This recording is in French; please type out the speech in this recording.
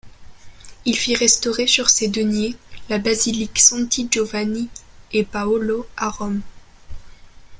Il fit restaurer sur ses deniers la basilique Santi Giovanni e Paolo à Rome.